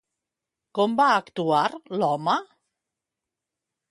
Com va actuar l'home?